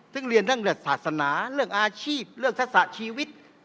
ซึ่งเรียนเรื่องศาสนาเรื่องอาชีพเรื่องศักดิ์ศาสตร์ชีวิต